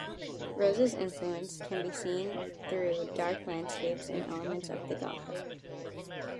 Rosa's influence can be seen through dark landscapes and elements of the Gothic.